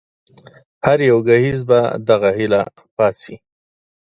هر يو ګهيځ په دغه هيله پاڅي